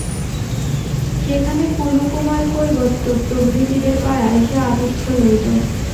সেখানে কলু কুমার কৈবর্ত প্রভৃতিদের পাড়ায় সে আতিথ্য লইত।